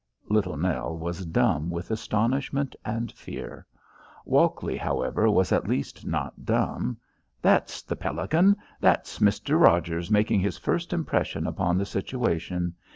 Little Nell was dumb with astonishment and fear. Walkley, however, was at least not dumb. "That's the pelican! That's Mr. Rogers making his first impression upon the situation.